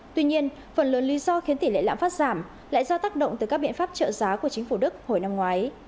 tuy nhiên phần lớn lý do khiến tỷ lệ lãm phát giảm lại do tác động từ các biện pháp trợ giá của chính phủ đức hồi năm ngoái